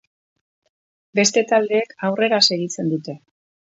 Beste taldeek aurrera segitzen dute.